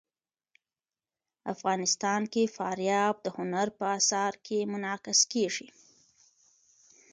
افغانستان کې فاریاب د هنر په اثار کې منعکس کېږي.